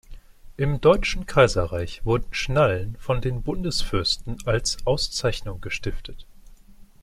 Im Deutschen Kaiserreich wurden Schnallen von den Bundesfürsten als Auszeichnungen gestiftet.